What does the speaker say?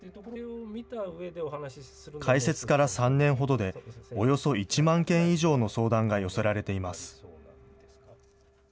開設から３年ほどで、およそ１万件以上の相談が寄せられています。